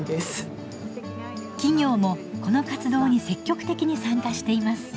企業もこの活動に積極的に参加しています。